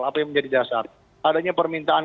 apa yang menjadi dasar adanya permintaan